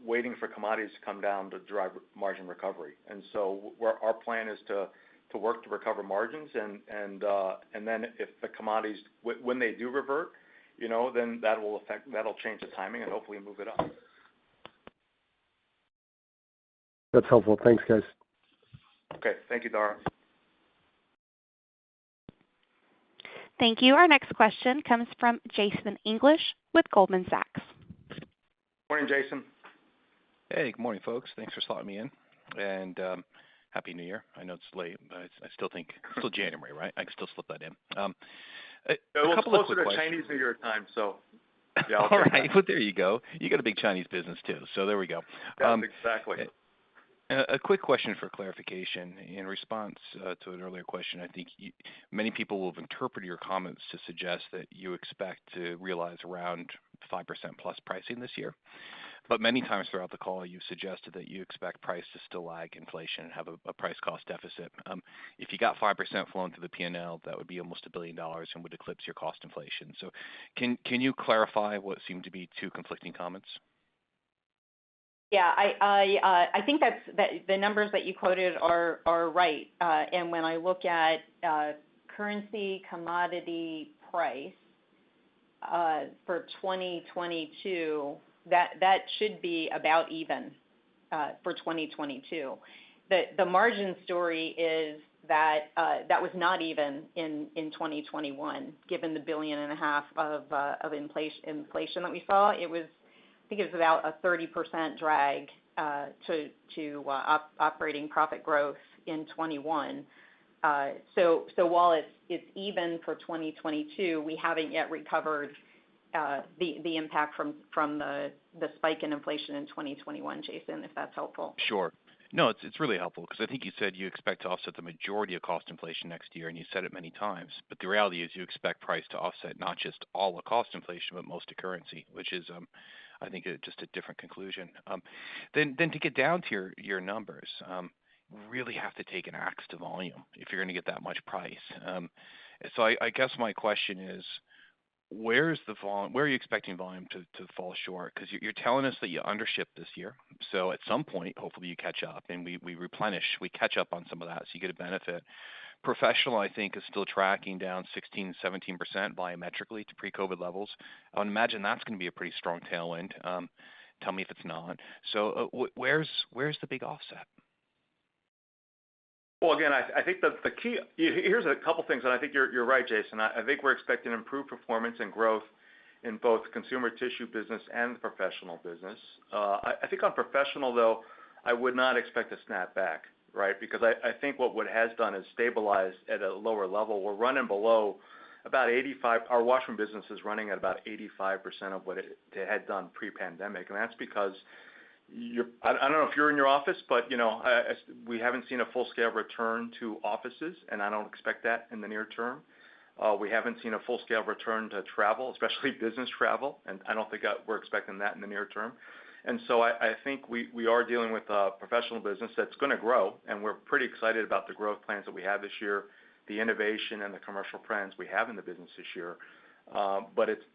waiting for commodities to come down to drive margin recovery. Our plan is to work to recover margins and then when they do revert, you know, then that'll change the timing and hopefully move it up. That's helpful. Thanks, guys. Okay. Thank you, Dara. Thank you. Our next question comes from Jason English with Goldman Sachs. Morning, Jason. Hey, good morning, folks. Thanks for slotting me in and Happy New Year. I know it's late, but I still think it's still January, right? I can still slip that in. A couple of questions. It's closer to Chinese New Year time, so yeah. All right. Well, there you go. You got a big Chinese business too, so there we go. Yes, exactly. A quick question for clarification. In response to an earlier question, I think many people will have interpreted your comments to suggest that you expect to realize around 5% plus pricing this year. Many times throughout the call, you suggested that you expect price to still lag inflation and have a price cost deficit. If you got 5% flowing through the P&L, that would be almost $1 billion and would eclipse your cost inflation. Can you clarify what seemed to be two conflicting comments? Yeah. I think the numbers that you quoted are right. When I look at currency, commodity price for 2022, that should be about even for 2022. The margin story is that that was not even in 2021, given the $1.5 billion of inflation that we saw. It was, I think, about a 30% drag to operating profit growth in 2021. While it's even for 2022, we haven't yet recovered the impact from the spike in inflation in 2021, Jason, if that's helpful. Sure. No, it's really helpful because I think you said you expect to offset the majority of cost inflation next year, and you said it many times. The reality is you expect price to offset not just all the cost inflation, but most of currency, which is, I think, just a different conclusion. To get down to your numbers, really have to take an ax to volume if you're gonna get that much price. I guess my question is, where are you expecting volume to fall short? Because you're telling us that you undershipped this year, so at some point, hopefully you catch up and we replenish, we catch up on some of that, so you get a benefit. Professional, I think, is still tracking down 16% to 17% volumetrically to pre-COVID levels. I would imagine that's gonna be a pretty strong tailwind, tell me if it's not. Where's the big offset? Well, I think the key. Here's a couple things, and I think you're right, Jason. I think we're expecting improved performance and growth in both Consumer Tissue business and the Professional business. I think on Professional, though, I would not expect a snapback, right? Because I think what it has done is stabilize at a lower level. We're running below about 85%. Our washroom business is running at about 85% of what it had done pre-pandemic. That's because I don't know if you're in your office, but you know, we haven't seen a full-scale return to offices, and I don't expect that in the near term. We haven't seen a full-scale return to travel, especially business travel, and I don't think we're expecting that in the near term. I think we are dealing with a professional business that's gonna grow, and we're pretty excited about the growth plans that we have this year, the innovation and the commercial trends we have in the business this year.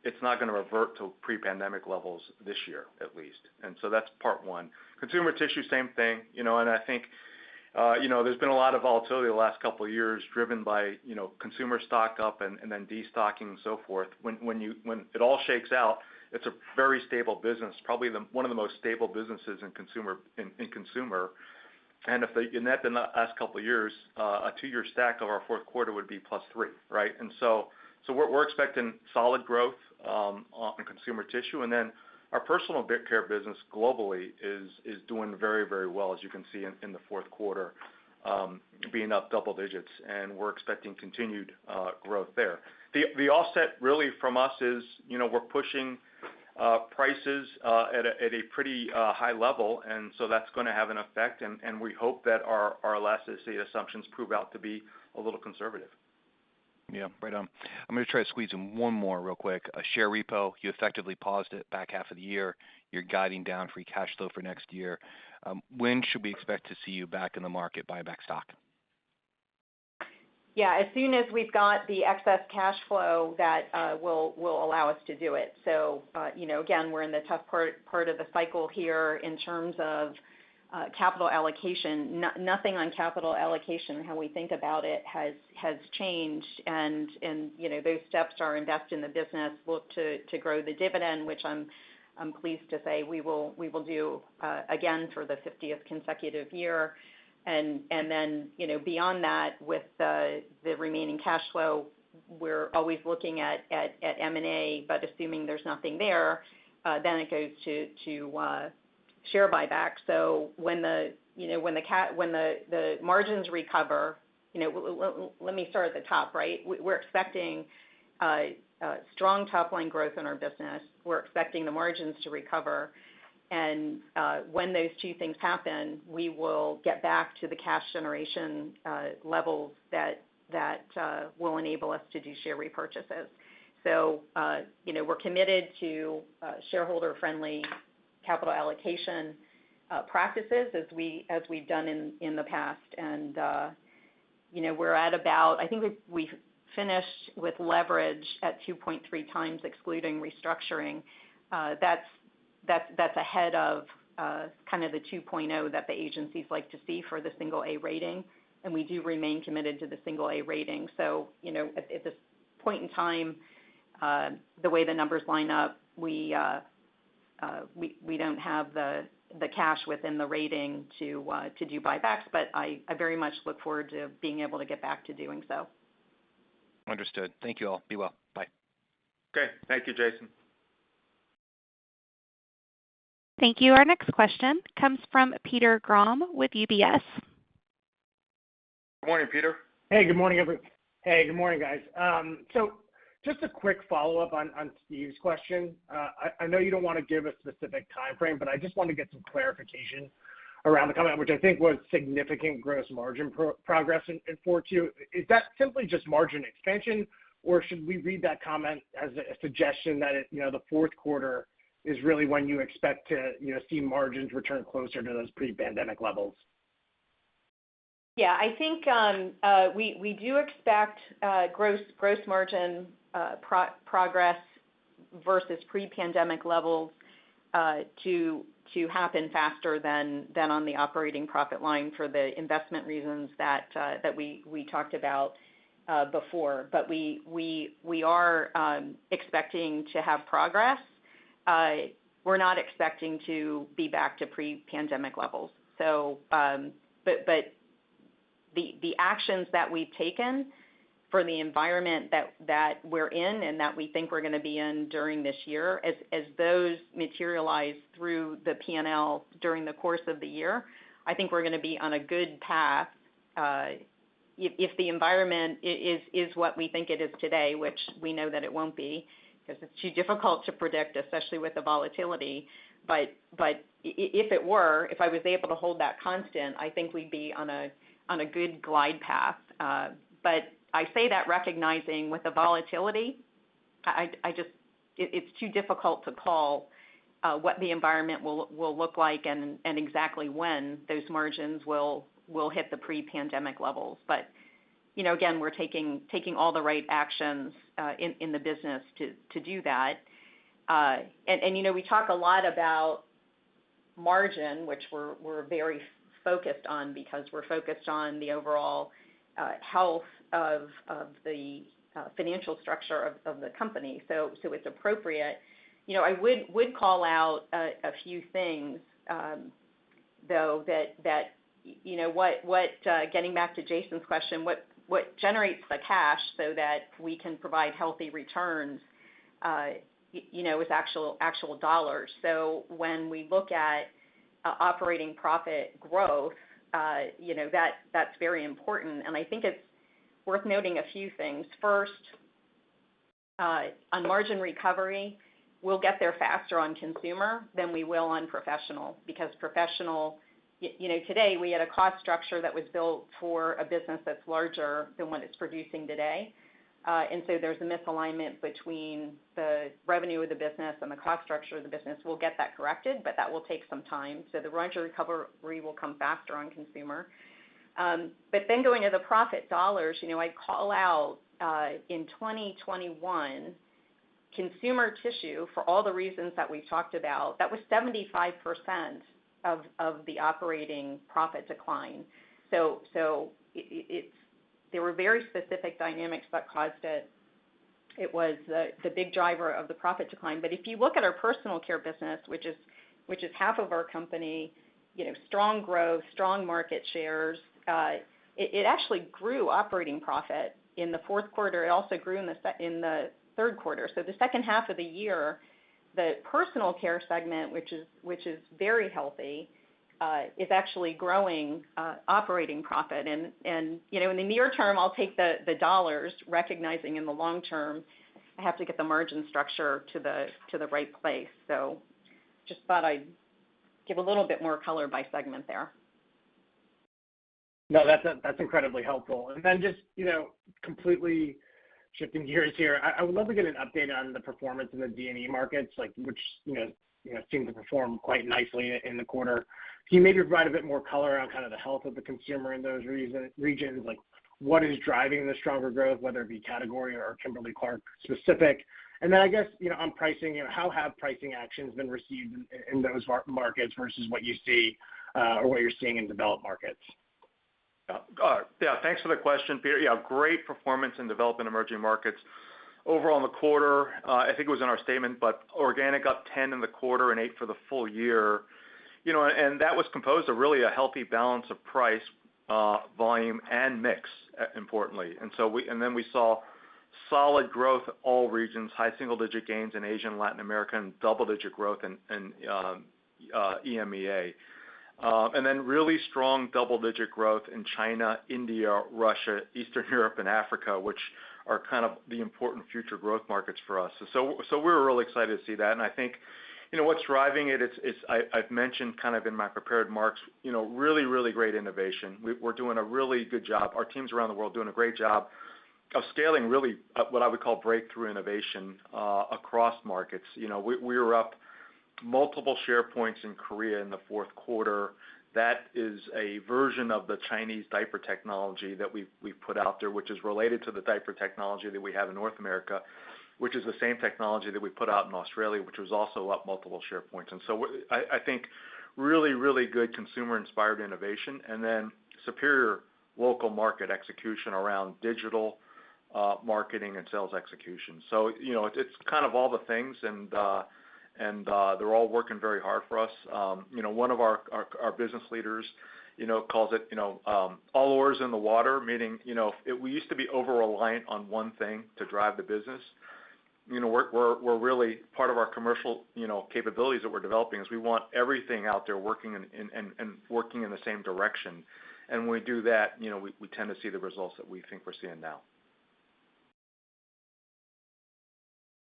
It's not gonna revert to pre-pandemic levels this year, at least. That's part one. Consumer Tissue, same thing. You know, I think you know, there's been a lot of volatility the last couple years driven by you know, consumer stock-up and then destocking and so forth. When it all shakes out, it's a very stable business, probably one of the most stable businesses in consumer. In that, in the last couple years, a two-year stack of our fourth quarter would be +3%, right? We're expecting solid growth on Consumer Tissue. Our Personal Care business globally is doing very, very well, as you can see in the fourth quarter, being up double digits, and we're expecting continued growth there. The offset really from us is, you know, we're pushing prices at a pretty high level, and that's gonna have an effect, and we hope that our elasticity assumptions prove out to be a little conservative. Yeah. Right on. I'm gonna try to squeeze in one more real quick. A share repo, you effectively paused it back half of the year. You're guiding down free cash flow for next year. When should we expect to see you back in the market buy back stock? Yeah. As soon as we've got the excess cash flow that will allow us to do it. You know, again, we're in the tough part of the cycle here in terms of capital allocation. Nothing on capital allocation, how we think about it, has changed and, you know, those steps are invest in the business. Look to grow the dividend, which I'm pleased to say we will do again for the 50th consecutive year. Then, you know, beyond that, with the remaining cash flow, we're always looking at M&A, but assuming there's nothing there, then it goes to share buyback. When the margins recover, you know. Let me start at the top, right? We're expecting strong top-line growth in our business. We're expecting the margins to recover. When those two things happen, we will get back to the cash generation levels that will enable us to do share repurchases. You know, we're committed to shareholder-friendly capital allocation practices as we've done in the past. You know, we're at about. I think we finished with leverage at 2.3x excluding restructuring. That's ahead of kind of the 2.0x that the agencies like to see for the single-A rating, and we do remain committed to the single-A rating. You know, at this point in time, the way the numbers line up, we don't have the cash within the rating to do buybacks, but I very much look forward to being able to get back to doing so. Understood. Thank you all. Be well. Bye. Okay. Thank you, Jason. Thank you. Our next question comes from Peter Grom with UBS. Good morning, Peter. Hey, good morning, guys. So just a quick follow-up on Steve's question. I know you don't wanna give a specific timeframe, but I just wanna get some clarification around the comment, which I think was significant gross margin progress in Q4. Is that simply just margin expansion, or should we read that comment as a suggestion that it, you know, the fourth quarter is really when you expect to, you know, see margins return closer to those pre-pandemic levels? Yeah. I think we do expect gross margin progress versus pre-pandemic levels to happen faster than on the operating profit line for the investment reasons that we talked about before. We are expecting to have progress. We're not expecting to be back to pre-pandemic levels. The actions that we've taken for the environment that we're in and that we think we're gonna be in during this year, as those materialize through the P&L during the course of the year, I think we're gonna be on a good path. If the environment is what we think it is today, which we know that it won't be, because it's too difficult to predict, especially with the volatility. If it were, if I was able to hold that constant, I think we'd be on a good glide path. I say that recognizing with the volatility, I just it's too difficult to call what the environment will look like and exactly when those margins will hit the pre-pandemic levels. You know, again, we're taking all the right actions in the business to do that. You know, we talk a lot about margin, which we're very focused on because we're focused on the overall health of the financial structure of the company. It's appropriate. You know, I would call out a few things, though that you know, getting back to Jason's question, what generates the cash so that we can provide healthy returns, you know, with actual dollars. When we look at operating profit growth, you know, that's very important, and I think it's worth noting a few things. First, on margin recovery, we'll get there faster on Consumer than we will on Professional because Professional, you know, today, we had a cost structure that was built for a business that's larger than what it's producing today. There's a misalignment between the revenue of the business and the cost structure of the business. We'll get that corrected, but that will take some time. The margin recovery will come faster on Consumer. But then going to the profit dollars, you know, I call out, in 2021, Consumer Tissue, for all the reasons that we've talked about, that was 75% of the operating profit decline. there were very specific dynamics that caused it. It was the big driver of the profit decline. if you look at our Personal Care business, which is half of our company, you know, strong growth, strong market shares, it actually grew operating profit in the fourth quarter. It also grew in the third quarter. the second half of the year, the Personal Care segment, which is very healthy, is actually growing operating profit. You know, in the near term, I'll take the dollars, recognizing in the long term, I have to get the margin structure to the right place. Just thought I'd give a little bit more color by segment there. No, that's incredibly helpful. Then just, you know, completely shifting gears here, I would love to get an update on the performance in the D&E markets, like, which, you know, seem to perform quite nicely in the quarter. Can you maybe provide a bit more color around kind of the health of the consumer in those regions? Like, what is driving the stronger growth, whether it be category or Kimberly-Clark specific? Then I guess, you know, on pricing, you know, how have pricing actions been received in those markets versus what you see, or what you're seeing in developed markets? Yeah, thanks for the question, Peter. Yeah, great performance in developed and emerging markets. Overall in the quarter, I think it was in our statement, but organic up 10 in the quarter and 8 for the full year. You know, that was composed of really a healthy balance of price, volume, and mix, importantly. Then we saw solid growth all regions, high single-digit gains in Asia and Latin America, and double-digit growth in EMEA. Then really strong double-digit growth in China, India, Russia, Eastern Europe, and Africa, which are kind of the important future growth markets for us. We're really excited to see that. I think, you know, what's driving it is I've mentioned kind of in my prepared remarks, you know, really great innovation. We're doing a really good job. Our teams around the world doing a great job of scaling really what I would call breakthrough innovation across markets. You know, we were up multiple share points in Korea in the fourth quarter. That is a version of the Chinese diaper technology that we've put out there, which is related to the diaper technology that we have in North America, which is the same technology that we put out in Australia, which was also up multiple share points. I think really good consumer-inspired innovation and then superior local market execution around digital marketing and sales execution. You know, it's kind of all the things and they're all working very hard for us. You know, one of our business leaders you know calls it you know all oars in the water, meaning you know we used to be over-reliant on one thing to drive the business. You know, we're really part of our commercial you know capabilities that we're developing is we want everything out there working in the same direction. When we do that, you know, we tend to see the results that we think we're seeing now.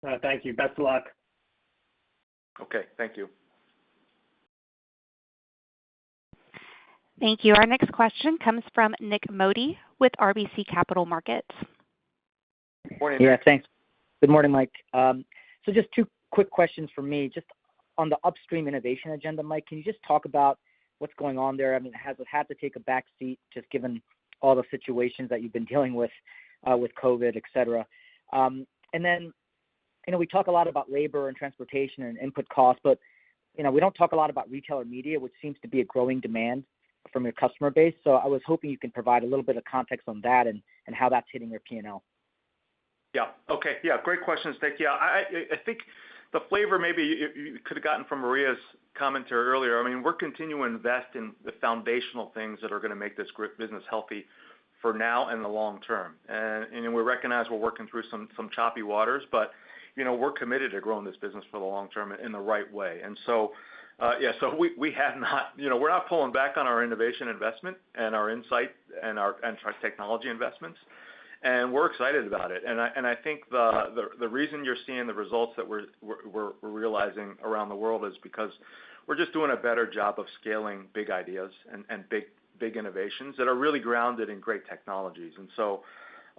Thank you. Best of luck. Okay. Thank you. Thank you. Our next question comes from Nik Modi with RBC Capital Markets. Morning. Yeah, thanks. Good morning, Mike. So just two quick questions from me. Just on the upstream innovation agenda, Mike, can you just talk about what's going on there? I mean, has it had to take a back seat just given all the situations that you've been dealing with COVID, et cetera. You know, we talk a lot about labor and transportation and input costs, but you know, we don't talk a lot about retail or media, which seems to be a growing demand from your customer base. I was hoping you can provide a little bit of context on that and how that's hitting your P&L. Yeah. Okay. Yeah, great questions. Thank you. I think the flavor maybe you could have gotten from Maria's commentary earlier. I mean, we're continuing to invest in the foundational things that are gonna make this group business healthy for now and the long term. We recognize we're working through some choppy waters, but you know, we're committed to growing this business for the long term in the right way. You know, we're not pulling back on our innovation investment and our insight and our technology investments, and we're excited about it. I think the reason you're seeing the results that we're realizing around the world is because we're just doing a better job of scaling big ideas and big innovations that are really grounded in great technologies.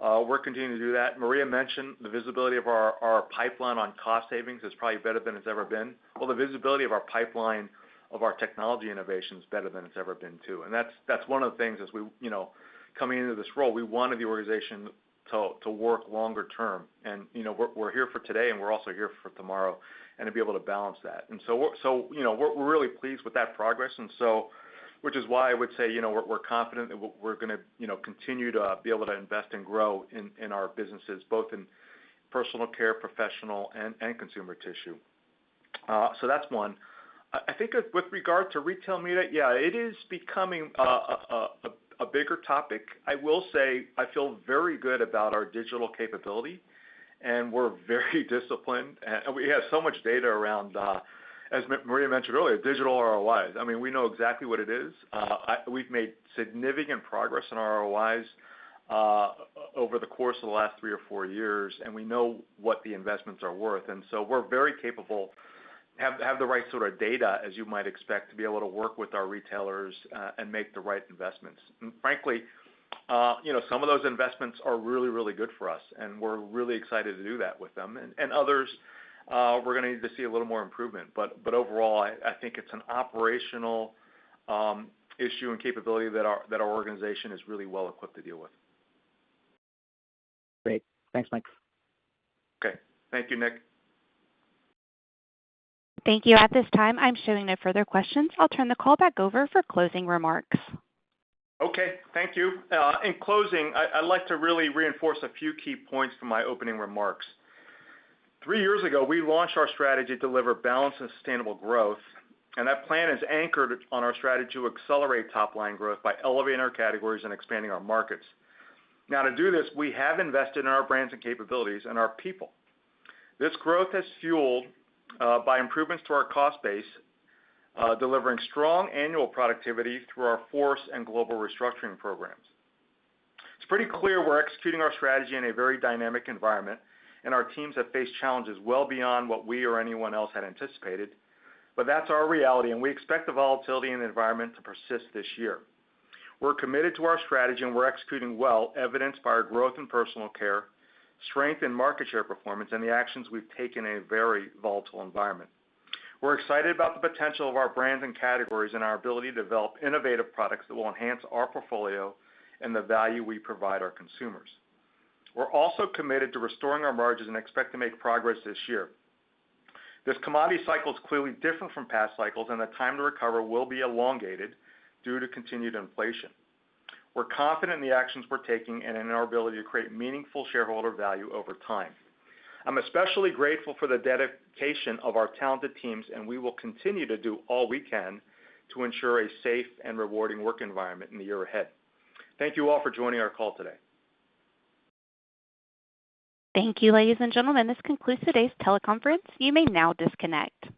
We're continuing to do that. Maria mentioned the visibility of our pipeline on cost savings is probably better than it's ever been. Well, the visibility of our pipeline of our technology innovation is better than it's ever been, too. That's one of the things as we, you know, coming into this role, we wanted the organization to work longer term. You know, we're here for today, and we're also here for tomorrow, and to be able to balance that. You know, we're really pleased with that progress, which is why I would say, you know, we're confident that we're gonna, you know, continue to be able to invest and grow in our businesses, both in Personal Care, Professional and Consumer Tissue. That's one. I think with regard to retail media, yeah, it is becoming a bigger topic. I will say I feel very good about our digital capability, and we're very disciplined. And we have so much data around, as Maria mentioned earlier, digital ROIs. I mean, we know exactly what it is. We've made significant progress in ROIs over the course of the last three or four years, and we know what the investments are worth. We're very capable, have the right sort of data, as you might expect, to be able to work with our retailers and make the right investments. Frankly, you know, some of those investments are really good for us, and we're really excited to do that with them. Others, we're gonna need to see a little more improvement. Overall, I think it's an operational issue and capability that our organization is really well equipped to deal with. Great. Thanks, Mike. Okay. Thank you, Nik. Thank you. At this time, I'm showing no further questions. I'll turn the call back over for closing remarks. Okay. Thank you. In closing, I'd like to really reinforce a few key points from my opening remarks. Three years ago, we launched our strategy to deliver balanced and sustainable growth, and that plan is anchored on our strategy to accelerate top line growth by elevating our categories and expanding our markets. Now to do this, we have invested in our brands and capabilities and our people. This growth is fueled by improvements to our cost base, delivering strong annual productivity through our FORCE and global restructuring programs. It's pretty clear we're executing our strategy in a very dynamic environment, and our teams have faced challenges well beyond what we or anyone else had anticipated, but that's our reality, and we expect the volatility in the environment to persist this year. We're committed to our strategy, and we're executing well, evidenced by our growth in Personal Care, strength in market share performance, and the actions we've taken in a very volatile environment. We're excited about the potential of our brands and categories and our ability to develop innovative products that will enhance our portfolio and the value we provide our consumers. We're also committed to restoring our margins and expect to make progress this year. This commodity cycle is clearly different from past cycles, and the time to recover will be elongated due to continued inflation. We're confident in the actions we're taking and in our ability to create meaningful shareholder value over time. I'm especially grateful for the dedication of our talented teams, and we will continue to do all we can to ensure a safe and rewarding work environment in the year ahead. Thank you all for joining our call today. Thank you, ladies and gentlemen. This concludes today's teleconference. You may now disconnect.